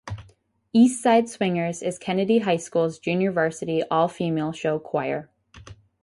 East Side Swingers is Kennedy High School's Junior Varsity all-female show choir.